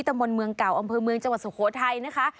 อันเบอร์เมืองเจาะโขทัยนะคะ